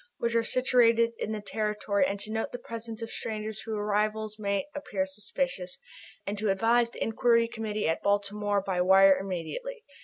which are situated in their territory and to note the presence of all strangers whose arrival may appear suspicious, and to advise the Inquiry Committee at Baltimore by wire immediately.